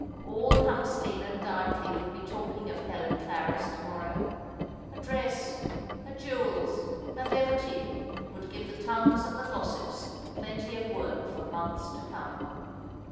All Huntsdean and Dykeley would be talking of Helen Clarris to morrow. Her dress, her jewels, her levity, would give the tongues of the gossips plenty of work for months to come.